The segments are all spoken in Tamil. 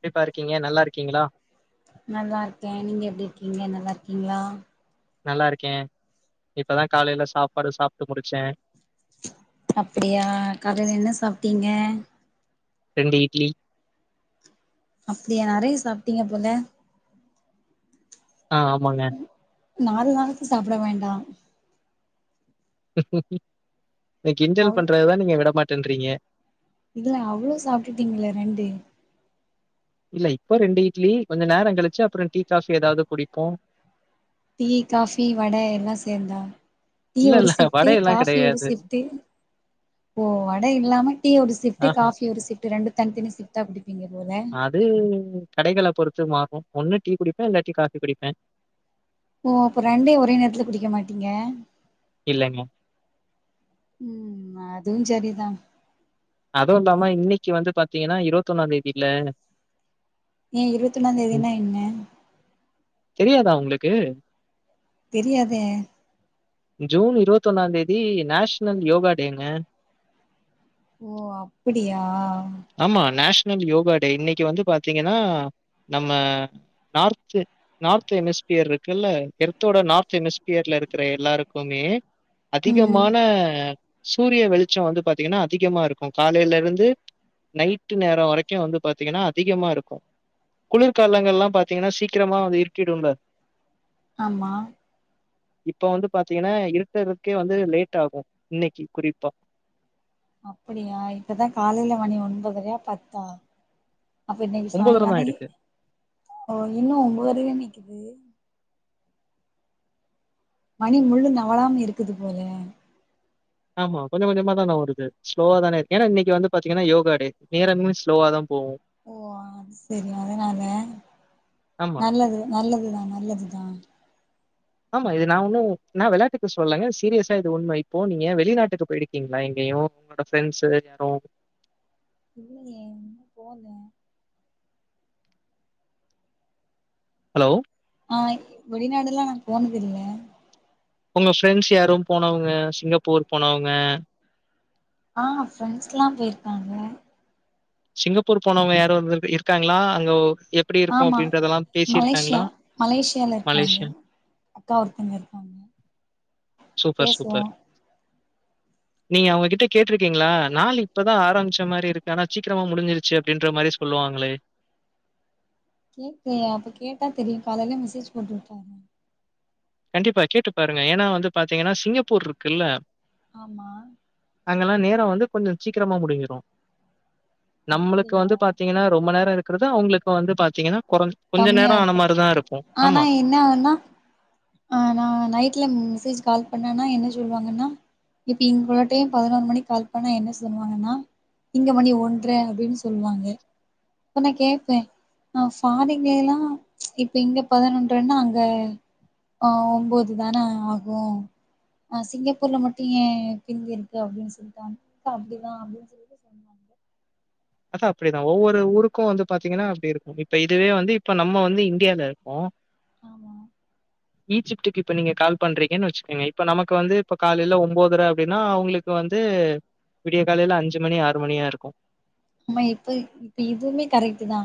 எப்டிப்பா இருக்கீங்க நல்லா இருக் நல்லா இருக்கே நீங்க எப்டி கீங்க நல்லாருக்கீங்ளா நல்லா இருக்கே இப்பதா காலைல சாப்பாடு சாப்ட்டு முடிச்சே அப்டியா காலைல என்ன சாப்ட்டீங்க ரெண்டு இட்லி அப்படியா நெறையா சாப்பிட்டீங்க போல ஆ ஆமாங்க நாலு நாளைக்கு சாப்ட வேண்டா [unintelligible] நீ கிண்டல் அவ் பண்றதா நீங்க விட மாட் தந்றீங்க இல்ல அவ்ளோ சாப்டுட்டீங்களே ரெண்டு இல்ல இப்போ ரெண்டு இட்லி கொஞ்ச நேரம் கழிச்சு அப்புறோ டீ காஃபி ஏதாவது குடிப்போ டீ காஃபி வட எல்லா சேந்தா டீ இல்ல, ஒரு இல்ல ஷிஃப்ட்டு வடையெல்லாம் காஃபி ஒரு கிடையாது. ஷிஃட்டு ஓ வட இல்லாம டீ ஒரு ஷிஃப்ட்டு ஆஹா. காஃபி ஒரு ஷிஃபட்டு ரெண்டு தனித்தனி ஷிஃப்ட்டா அப்டி அது கடைகள பொறுத் டுமாரோ ஒன்னு டீ குடிப்பே இல்லாட்டி காபி குடிப்பே ஓ அப்ப ரெண்டும் ஒரே நேரத்துல குடிக்க மாட்டீங்க இல்லங்க. ம் அத் இதுன் சரி தான் அதுவு இல்லாம இன்னிக்கு வந்து பாத்தீங்கன்னா இருவத் ஒன்னாந் தேதியில ஏன் இருவத்தொண்ணாந் தேதினா என்ன இதுக்கு தெரியாதே ஜூன் இருவத்தொண்ணாந் தேதி நேஷனல் யோகா டேங்க ஓ அப்பிடியா ஆமா நேஷ்னல் யோகா டே இன்னைக்கு வந்து பாத்தீங்கன்னா நம்ம நார்த் நார்த் எமிஸ்பியர் இருக்குல்ல எர்த்தோட நார்த் எமிஸ்பியர்ல இருக்குற எல்லாருக்குமே ம் அதிகமான சூரிய வெளிச்சம் வந்து பாத்தீங்கன்னா அதிகமா இருக்கும் காலைல இருந்து நைட்டு நேரோ வரைக்கு வந்து பாத்தீங்கன்னா அதிகமா இருக்கு குளிர்காலங்கள்லா பாத்தீங்கன்னா சீக்கிரமாவே இருட்டிடும்ல ஆமா இப்ப வந்து பாத்தீங்கன்னா இருட்டருகே வந்து லேட் ஆகு இன்னைக்கி குறிப்பா அப்படியா இப்பதா காலைல மணி ஒன்பதரையா பத்தா அப்ப இன்னிக்கு தான் சாய்ங்காளே ஆயிடுக்கு. ஓ இன்னு ஒம்போதுலே நிக்குது மணி முள்ளு நவராம இருக்குது போல ஆமா கொஞ்ச கொஞ்சமா தா நவுருது ஸ்லோவா தான ஏனா இன்னைக்கு வந்து பாத்தீங்கன்னா யோகா டே நேரங்களு ஸ்லோவா தா ஓ ஆ சரி அதனால ஆமா. நல்லது நல்லது தா நல்லதுதா ஆமா இது நா ஒண்ணு நா விளையாட்டுக்கு சொல்லங்க சீரியஸா இது உண்மை இப்போ நீங்க வெளிநாட்டுக்கு போயிருக்கீங்களா எங்கயு உங்களோட ஃப்ரெண்ட்ஸு யாரு இல்லய இன்னு போல ஹலோ ஆ வெளிநாடுல்லா நா போனதுல்ல உங்க ஃப்ரெண்ட்ஸ் யாரு போனவங்க சிங்கப்பூர் போனவங்க ஆ ஃப்ரெண்ட்ஸ்க்லா போயிருக்காங்க. சிங்கப்பூர் போனவங்க யாரும் வந்து இருக்காங்ளா அங்க எப்படி இருக்கும் ஆமா அப்படின்றதெல்லாம் பேசியிருக்காங்களா? மலேசியா மலேசியால இருக்காங்க மலேஷியா. அக்கா ஒருத்தங்க இருக்காங்க. சூப்பர் பேசுவோ சூப்பர். நீ அவங்ககிட்ட கேட்டுருக்கீங்களா? நாலு இப்பதா ஆரம்பிச்ச மாரி இருக்கு ஆனா சீக்கிரமா முடிஞ்சிருச்சு. அப்டின்ற மாரி சொல்லுவாங்களே. கேக்கலயே. அப்ப கேட்டா தெரியு. காலையில மெசேஜ் போட்டுவுட்டாதா. கண்டிப்பா, கேட்டு பாருங்க ஏனா வந்து பாத்தீங்கன்னா சிங்கப்பூர் இருக்குல ஆமா அங்கெல்லா நேரம் வந்து கொஞ்ச சீக்கிரமா முடிஞ்சிடு நம்மளுக்கு அப்படியா வந்து பாத்தீங்கனா ரொம்ப நேர இருக் குறது அவுங்களுக்கு வந்து பாத்தீங்கனா கொறஞ் கொஞ்ச கம்மியா நேர ஆனா இருக்கு மாரிதா இருக்கு. ஆனா ஆமா. என்ன ஆகுன்னா ஆ நா நைட்ல மெசேஜ் கால் பண்ணேன்னா என்ன சொல்லுவாங்கன்னா, இப்ப இங்க ஒரு டைம் பதினொரு மணிக்கு கால் பண்ணா என்ன சொல்லுவாங்கன்னா, இங்க மணி ஒன்ட்ர அப்டின்னு சொல்லுவாங்க. அப்ப நா கேப்பே, நா ஃபாரின்லேலா இப்ப இங்க பதினொன்ட்ரனா அங்க ஆ ஒம்போதுதான ஆகு, அ சிங்கப்பூர்ல மட்டு ஏன் பிந்தி இருக்கு அப்டின்னு சொல்ட்டு அவங்க வந்து அப்டிதா சொல்லிட்டு சொன்னாங்க. அது அப்டிதா. ஒவ்வொரு ஊருக்கு வந்து பாத்தீங்னா அப்டி இருக்கு, இப்ப இதுவே வந்து இப்ப நம்ம வந்து இண்டியால இருக்கோ ஆமா ஈஜிப்ட்டுக்கு இப்ப நீங்க கால் பண்றீங்கன்னு வச்சுக்கோங்க, இப்ப நமக்கு வந்து இப்ப காலையில ஒன்போதரை அப்டின்னா, அவங்களுக்கு வந்து விடிய காலைல அஞ்சு மணி ஆறு மணியா இருக்கு. ஆமா இப்ப இப்ப இதுவுமே கரெக்ட்தா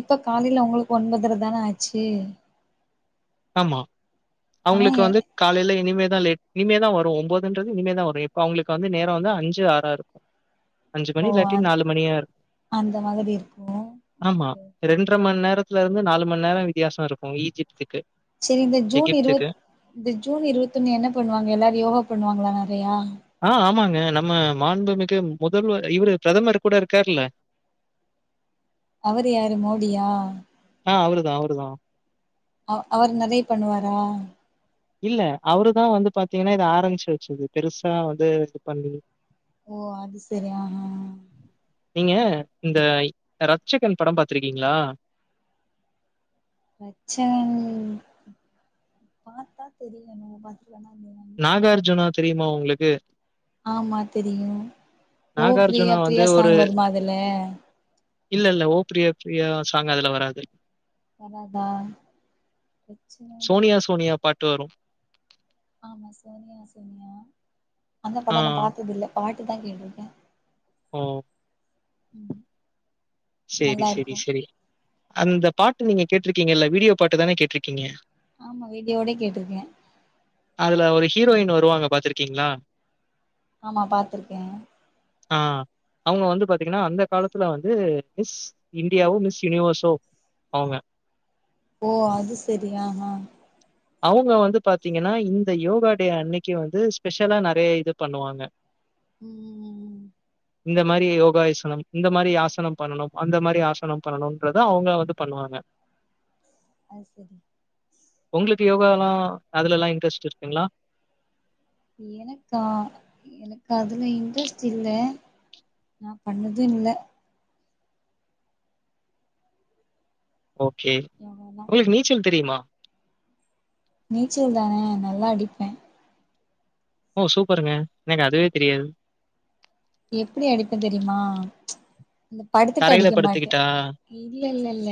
இப்ப காலையில உங்களுக்கு ஒன்பதரைதான ஆச்சு. ஆமா ஆனா அவங்களுக்கு எ- வந்து காலைல இனிமேல் லேட் இனிமேதா வரு ஒம்போதுன்றது இனிமேதா வரு இப்ப அவங்களுக்கு வந்து நேர வந்து அஞ்சு ஆறா இருக்கு அஞ்சு ஓ மணி இல்லாட்டி அந்- நாலு மணியா இரு அந்த மாதிரி இருக்கு ஆமா ஓகே ஓகே ரண்ட்ர மண் நேரத் இங்க இருந்து நாலு மண் நேர வித்தியாச இருக்கு ஈஜிப்டுக்கு செரி இந்த ஜூன் இருவத் இந்த ஜூன் இருவத்தொண்ணு என்ன பண்ணுவாங்க எல்லாரு யோகா பண்ணுவாங்களா மேம் இல்லையா ஆ ஆமாங்க நம்ம மாண்பு மிகு முதல்வர் இவரு பிரதமர் கூட இருக்கார்ல அவரு யாரு மோடியா? ஆ அவருதா அவருதா அவ-அவர் நெறயா பண்ணுவாரா? இல்ல அவருதா வந்து பாத்தீங்கன்னா இத ஆரம்ச்சு வெச்சது. பெருசா வந்து இது பண்ணி ஓ அது சரி ஆஹா நீங்க இந்த ரட்சகன் படம் பாத்திருக்கீங்களா? ரட்சகன் பாத்தா தெரியு. [inaudible] நாகார்ஜுனா தெரியுமா உங்களுக்கு ஆமா தெரியு ஓ ப்ரியா நாகார்ஜுனா வந்து ப்ரியா ஒரு சாங் வருமா அதுல ப்ரியா ப்ரியா சாங் அதுல வராது வராதா ரட்ச்சகன் ட்டு வரு ஆமா சோனியா சோனியா அந்த ஆ. படொ நா பாத்ததில்ல பாட் டுதா கேட்ருக்க உம் சேரி செரி செரி அந்த பாட்டு நீங்க கேட்ருக்கீங்கல்ல வீடியோ பாட்டு தான கேட்ருக்கீங்க ஆமா வீடியோட கேட்டிருக்க அதுல ஒரு ஹீரோயின் வருவாங்க பாத்துருக்கீங்ளா ஆமா பாத்துருக்க ஆ அவுங்க வந்து பாத்தீங்கனா அந்த காலத்துல வந்து மிஸ் இந்தியாவோ மிஸ் யூனிவர்ஸோ அவுங்க ஓ அது செரியா ஆ அவுங்க வந்து பாத்தீங்கன்னா இந்த யோகா டே அன்னக்கி வந்து ஸ்பெஷலா நெறயா இது பண்ணுவாங்க உம் உம் உம் இந்த மாரி யோகாயிசனம் இந்த மாரியாசனம் பண்ணணும் அந்த மாரி ஆசனம் பண்ணணுன்றத அவுங்க வந்து பண்ணுவாங்க அது செரி உங்ளுக்கு யோகால்லா அதுல இன்ட்ரெஸ்ட் இருக்குங்ளா எனக்கா எனக்கு அதுல இன்ட்ரெஸ்ட் இல்ல நா பண்ணது இல்ல ஓகே யோகாலா உங்ளுக்கு நீச்சல் தெரியுமா நீச்சல் தானே நல்லா அடிப்ப ஓ சூப்பருங்க எனக்கு அதுவே தெரியாது எப்டி அடிப்பன் தெரியுமா ப்ச் அந்த படுத்துட்டு தரையில அடிக்க மாட்ட படுத்துக்கிட்டா? இல்லல்லல்ல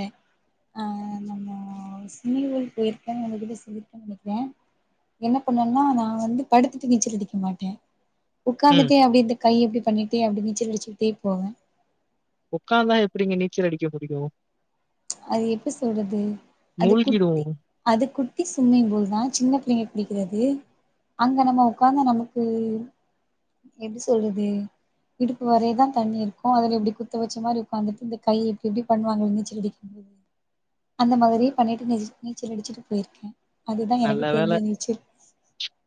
ஆ நம்ம சிமிலி ஏரி போயிருக்க உங்ககிட்ட சொல்லிர்கே நெனக்கிற என்ன பண்ணுவன்னா நா வந்து படுத்துட்டு நீச்சல் அடிக்க மாட்ட ம். உக்காந்துட்டே அப்டியே தி கையப்டி பண்ணிட்டே அப்டி நீச்சல் அடிச்சுகுட்டே போவோ ஒக்காந்தா எப்புடிங்க நீச்சல் அடிக்க முடியு ப்ச் அது எப்டி சொல்றது அது குட்டி மூழ்கிடுவோம். அது குட்டி சும்மிங்பூல்தா சின்ன புள்ளங்க குளி கிறது அங்க நம்ம உக்காந்து நமக்கு எப்டி சொல்றது இடுப்பு வரயதா தண்ணி இருக்கு அதுல இப்டி குத்த வச்ச மாரி உக்காந்துட்டு இந்த கை இப்டி இப்டி பண்ணுவாங்க நீச்சலடுச் அந்த மாரியே பண்ணிட்டு நீச்சல் அடிச்சுட்டு போயிருக்கே அதுதா எனக்கு நல்ல வேள தெரிஞ்ச நீச்சல்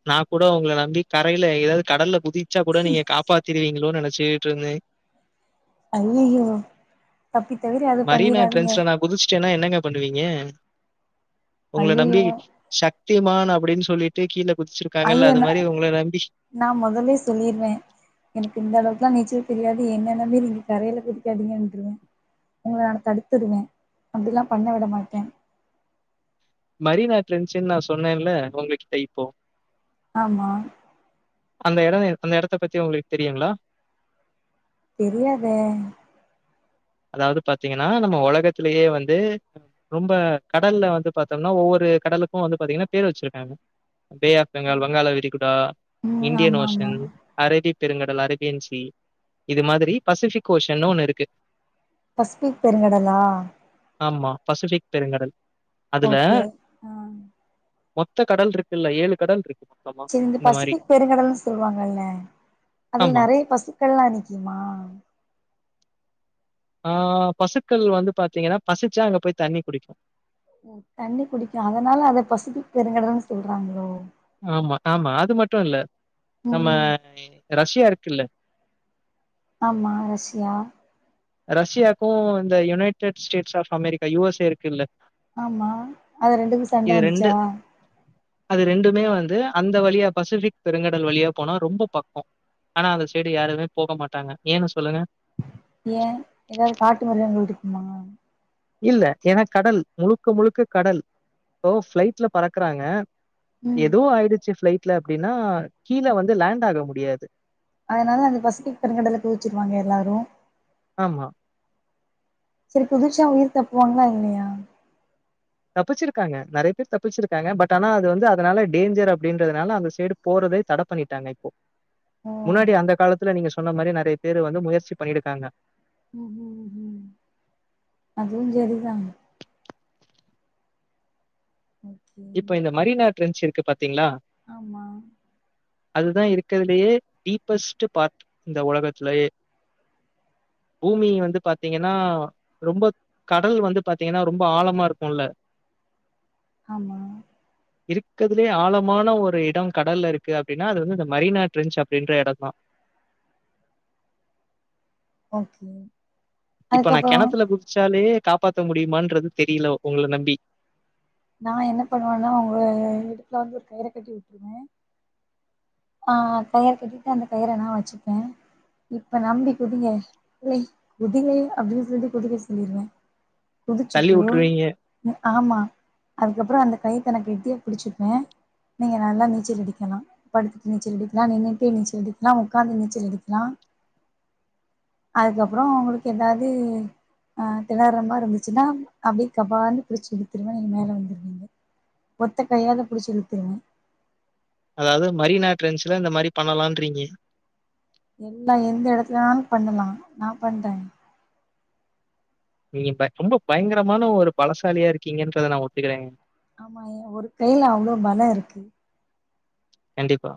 நா கூட ஒங்ள ந ந்து தரைல ஏது கடல்ல குதிச்சா கூட நீங்க காப்பாத்திருவீங்களோ நெனச் சேட்டு இருந்தே [unintelligible] அய்யய்யோ தப்பி தவிறி அது மரீனா பண்ணிராதீங்க ட்ரெண்ட்ஸ்ல நான் குதிச்சுட்டேன்னா என்னங்க பண்ணுவீங்க உங்களை நம்பி ஐயையோ சத்தியமான் அப்படின்னு சொல்லிட்டு கீழே ஐயோன நா மொதல்லியே சொல்லிர்வ எனக்கு இந்த அளவுக்குலா நீச்சல் தெரியாது என்ன நம்பி நீங்க கரையில குதிக்காதிங்கன்ட்ருவ உங்கள நா தடுத்துருவே அப்படிலா பண்ண விட மாட்டே வெளிநாட்ல இருந்துச்சுன் நா சொன்னேன்ல உங்ககிட்ட இப்போ ஆமா அந்த எட அந்த எடத்த பத்தி உங்களுக்கு தெரியுங்ளா தெரியாதே அதாது பாத்திங்கனா நம்ம ஒலகத்திலயே வந்து ரொம்ப கடல்ல வந்து பாத்தோம்னா ஒவ்வொரு கடலுக்கு வந்து பாத்திங்னா பேர் வெச்சிருக்காங்க பே ஆஃப் பெங்கால் வங்காள விரிகுடா ம் இன்டியன் ஆமா ஆமா ஓஷன் அரேபி பெருங்கடல் அரபியன் சி இது மாதிரி பசிபிக் ஓஷன்னு ஒண்ணு இருக்கு பசிபிக் பெருங்கடலா ஆமா பசிஃபிக் பெருங்கடல் அதுல ஓகே ஆ மொத்த கடல் இருக்குல்ல ஏழு கடல்ருக்கு செரி இந்த பசிபிக் பெருங்கடல்னு சொல்லுவாங்கல்ல அதுல ஆமா. நெறைய பசுக்கல்லா நிக்குமா ஆ பசுக்கள் வந்து பாத்திங்கனா பசிச்சா அங்க போய் தண்ணி குடிக்கு ஓ தண்ணி குடிக்கு அதனால அத பசிபிக் பெருங்கடல்னு சொல்றாங்ளோ ஆமா ஆமா அது மட்டு இல்ல நம்ம ம் ரஷ்யா இருக் கில்ல ஆமா ரஷியா ரஷ்யாக்கும் இந்த united states of America US A இருக்கு இல்ல ஆமா அது ரெண்டுக்கும் சண்ட வந்துச்சா அது ரெண்டுமே வந்து அந்த வழியா பசிபிக் பெருங்கடல் வழியா போனா ரொம்ப பக்கம் ஆனா அந்த சைடு யாருமே போக மாட்டாங்க ஏன்னு சொல்லுங்க ஏன் ஏதாவது காட்டு மிருகங்கள் இருக்குமா இல்ல ஏன்னா கடல் முழுக்க முழுக்க கடல் இப்போ ஃபிளைட்ல பறக்குறாங்க ம் எதோ ஆயிடுச்சு ஃப்ளைட் இல்லே அப்படின்னா கீழே வந்து லேண்ட் ஆக முடியாது அதனால அந்த பசிபிக் பெருங்கடல்ல குதிச்சிருவாங்க எல்லாரும் ஆமா சரி குதிச்சா உயிர் தப்புவாங்களா இல்லையா தப்பிச்சிருக்காங்க நறைய பேர் தப்பிச்சிருக்காங்க பட் ஆனா அது வந்து அதனால டேஞ்சர் அப்படின்றதுனால அந்த சைடு போறதே தடை பண்ணிட்டாங்க இப்போ ஓ முன்னாடி அந்த காலத்துல நீங்க சொன்ன மாரி நறைய பேரு வந்து முயற்சி பண்ணிருக்காங்க உம் உம் உம் அதுவுஞ் சரிதாங்க உம் இப்ப இந்த மரினா ட்ரன்ச்சு து பாத்தீங்களா ஆமா அது தா இருக்கறதுலேயே டீப்பஸ்ட் பார்ட் இந்த உலகத்துலயே பூமி வந்து பாத்தீங்கன்னா ரொம்ப கடல் வந்து பாத்தீங்கன்னா ரொம்ப ஆழமா இருக்கும்ல்ல ஆமா இருக்கதுலயே ஆழமான ஒரு இடம் கடல்ல இருக்கு அப்டின்னா அது வந்து இந்த மரினா ட்ரேஞ்சு அப்டின்ற எடம் தா ஓகே இப்ப நா அதுக்கப்புறோ கெணத்துல குதிச்சாலே காப்பாத்த முடியுமான்றது தெரில உங்கள நம்பி நா என்ன பண்ணுவேன்னா உங்க இடுப்புல வந்து ஒரு கயிற கட்டி விட்டுருவே ஆஹ் கயிற கட்டிட்டு அந்த கயிற நா வச்சுப்பேன் இப்ப நம்பி குதிங்க இல்ல குதிங்க அப்டின்னு சொல்லிட்டு குதிக்க சொல்லிருவே தள்ளி குதிச்சுட்டு விட்டுருவீங்க. அ ஆமா அதுக்கப்புற அந்த கைத்த நா கெட்டியா புடிச்சிப்பே நீங்க நல்லா நீச்சல் அடிக்கலா படுத்துட்டு நீச்சல் அடிக்கலா நின்னுட்டே நீச்சல் அடிக்கலா உக்காந்து நீச்சல் அடிக்கலா அதுக்கப்பற உங்களுக்கு ஏதாவது அஹ் தெனர்ற மாரி இருந்துச்சுன்னா அப்டியே கபால்னு புடிச்சு இழுத்துருவே நீங்க மேல வந்துருவீங்க ஒத்த கையால புடிச்சு இழுத்துருவே அதாது மரினா ட்ரேஞ்ச்ல இந்த மாரி பண்ணலான்றீங்க எல்லா எந்த இடத்துலனாலு பண்ணலா நா பண்றே நீங்க ப ரொம்ப பயங்கரமான ஒரு பலசாலியா இருக்கீங்கன்றத நா ஒத்துக்கறே ஆமா ஏன் ஒரு கைல அவ்ள பல இருக்கு கண்டிப்பா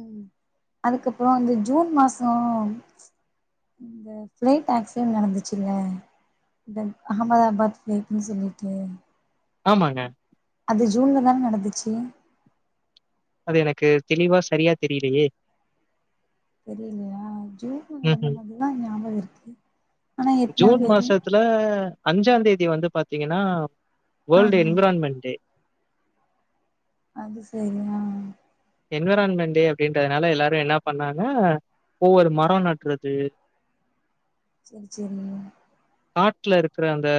உம் அதுக்கப்பறம் இந்த ஜூன் மாச இந்த பிளைட் ஆக்சிடென்ட் நடந்துச்சுல்ல இந்த அகமதாபாத் பிளைட்ன்னு சொல்லிட்டு ஆமாங்க அது ஜூன்ல தானே நடந்துச்சு அது எனக்கு தெளிவா சரியா தெரிலயே தெரிலயா ஜூன்ல நடந்த ம்ஹ்ம். மாதரி தா ஞாபக இருக்கு ஆனா எத்னாந் தேதி அஞ்சாந் தேதி வந்து பாத்தீங்கன்னா வேர்ல்ட் ஆஹா என்விரான்மண் டே அது செரி என்விரான்மண் டே அப்டின்றதுனால எல்லாரு என்ன பண்ணாங்க ஒவ்வொரு மர நடறது செரி செரி காட்டுல இருக்கற அந்த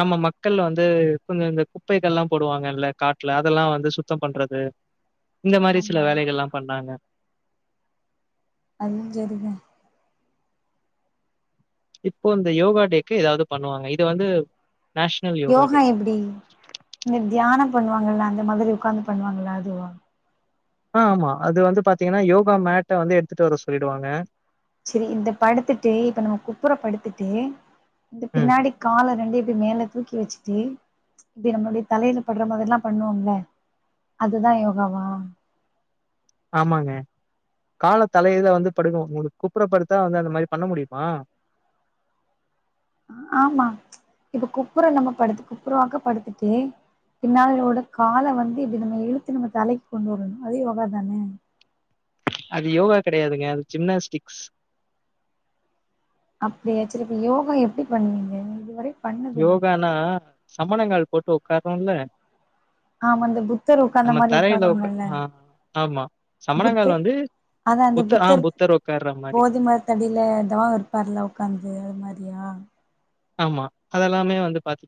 நம்ம மக்கள் வந்து கொஞ்ச இந்த குப்பைகள்ல்லாம் போடுவாங்க இல்ல காட்டுல அதெல்லா வந்து சுத்தம் பண்றது இந்த மாரி சில ஆமா வேலைகள்லா பண்றாங்க அதுவுஞ் செரி தே இப்போ இந்த யோகா டேக்கு ஏதாது பண்ணுவாங்க இது வந்து நேஷனல் டே. யோகா எப்டி இந்த தியானம் பண்ணுவாங்கல்ல அந்த மாதிரி உட்காந்து பண்ணுவாங்களா அதுவா ஆஹ் ஆமா அது வந்து பாத்தீங்கன்னா யோகா மேட்ட வந்து எடுத்துட்டு வர சொல்லிடுவாங்க செரி இந்த படுத்துட்டு இப்ப நம்ம குப்புற படுத்துட்டு இந்த ம். பின்னாடி கால ரெண்டயு ப்டி மேல தூக்கி வச்சுட்டு இப்டி நம்மளுடைய தலைல படுற மாதரி எல்லா பண்ணுவோம்ல அது தா யோகாவா ஆமாங்க கால தலகீல வந்து படுக்கணு உங்களுக்கு குப்புற படுத்தா வந்து அந்த மாரி பண்ண முடிமா ஆமா இப்ப குப்புற நம்ம படுத்து குப்புறவாக்க படுத்துட்டு பின்னாலோட கால வந்து இப்டி நம்ம இழுத்து நம்ம தலைக்கு கொண்டு வரணு அது யோகா தானே அது யோகா கடையாதுங்க அது ஜிம்னாஸ்டிக்ஸ் அப்டியா சரி இப்ப யோகா எப்டி பண்ணுவிங்க இதுவரை பண்ணதில்ல யோகானா சமணங்கால் போட்டு உட்கார்ரோல ஆமா அந்த புத்தர் உக்காந்த மாரி தரையில உட்கா உக்காருவாங்கல்ல ஆ ஆமா. சமணங்கால் புத்தர் வந்து அதா அந்த புத்த ஆ புத்தர் உட்கார்ற மாரி. போதி மரத்தடியில தவ இருப்பார்ல உக்காந்து அது மாரியா ஆமா அதெல்லாமே வந்து பாத்தீங்க